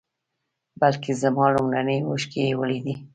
بلکې زما لومړنۍ اوښکې یې ولیدې.